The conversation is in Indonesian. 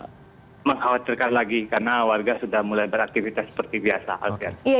saya tidak merasa berpikir pikir lagi karena warga sudah mulai beraktivitas seperti biasa